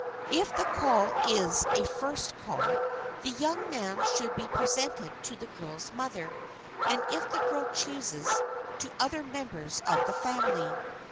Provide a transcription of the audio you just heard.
If the call is a first call, the young man should be presented to the girl's mother, and if the girl chooses, to other members of the family.